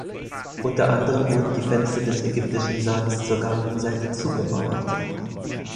Unter anderem wurden die Fenster des ägyptischen Saals zur Gartenseite zugemauert.